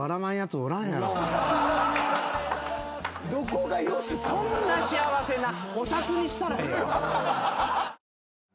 こんな幸せな。